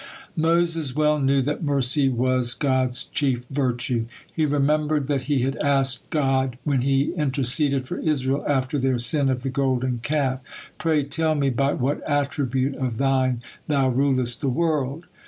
Moses well knew that mercy was God's chief virtue. He remembered that he had asked God, when he interceded for Israel after their sin of the Golden Calf, "Pray tell me by what attribute of Thine Thou rulest the world."